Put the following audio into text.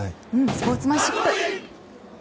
スポーツマンシップ。